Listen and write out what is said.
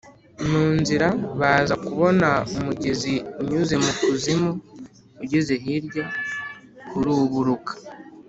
Mu nzira baza kubona umugezi unyuze mu kuzimu, ugeze hirya uruburuka.